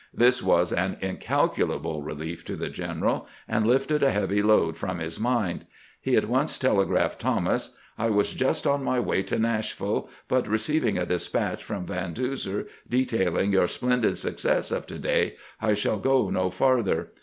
This was an incalculable relief to the general, and lifted a heavy load from his mind. He at once telegraphed Thomas :" I was just on my way to Nashville, but receiving a despatch from Van Duzer detailing your splendid suc cess of to day, I shall go no farther.